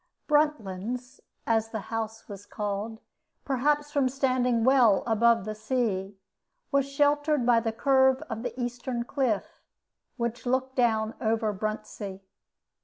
"Bruntlands," as the house was called, perhaps from standing well above the sea, was sheltered by the curve of the eastern cliff, which looked down over Bruntsea.